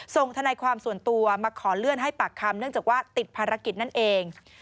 ทนายความส่วนตัวมาขอเลื่อนให้ปากคำเนื่องจากว่าติดภารกิจนั่นเอง